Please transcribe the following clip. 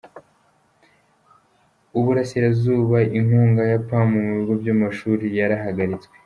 U Burasirazuba Inkunga ya Pamu mu bigo by’amashuri yarahagaritswe